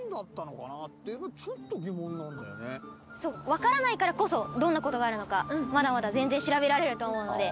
わからないからこそどんな事があるのかまだまだ全然調べられると思うので。